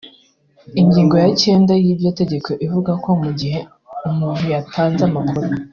Ingingo ya cyenda y’iryo tegeko ivuga ko mu gihe umuntu yatanze amakuru